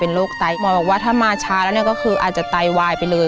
โรคไตหมอบอกว่าถ้ามาช้าแล้วเนี่ยก็คืออาจจะไตวายไปเลย